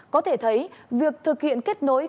có thể thấy việc thực hiện kết nối